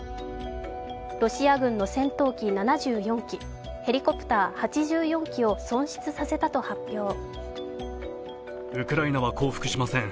ロシア軍の戦闘機７４機、ヘリコプター８４機を損失させたと発表。